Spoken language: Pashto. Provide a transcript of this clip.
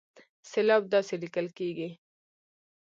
سېلاب داسې ليکل کېږي